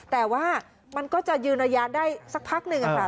แต่ว่ามันก็จะยืนระยะได้สักพักหนึ่งค่ะ